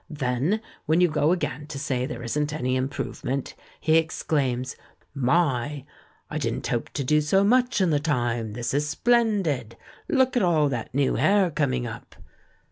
Then, when you go again to say there isn't any improvement, he exclaims, 'My! I didn't hope to do so much in the time. This is splendid. Look at all that new hair coming up!'